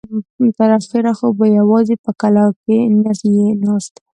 تر اخره خو به يواځې په کلاکې نه يې ناسته.